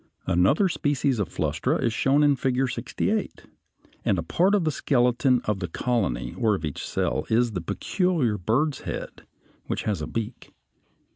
Another species of Flustra is shown in Figure 68, and a part of the skeleton of the colony or of each cell is the peculiar bird's head which has a beak.